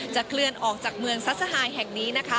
จะเคลื่อนออกจากเมืองซัสซาฮายแห่งนี้